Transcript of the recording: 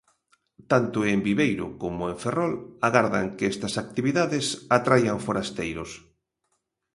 Tanto en Viveiro como en Ferrol agardan que estas actividades atraian forasteiros.